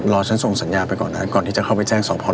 ฉันส่งสัญญาไปก่อนนะก่อนที่จะเข้าไปแจ้งสอบพอ